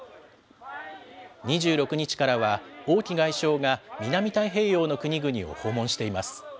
２６日からは、王毅外相が南太平洋の国々を訪問しています。